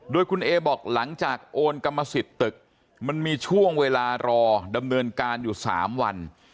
โดยคุณเอบอกหลังจากโอนกรรมสิทธิ์ตึกมันมีช่วงเวลารอดำเนินการอยู่๓วัน